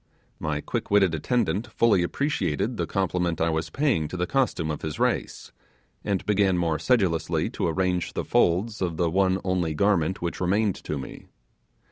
My quick witted attendant fully appreciated the compliment I was paying to the costume of his race, and began more sedulously to arrange the folds of the one only garment which remained to me.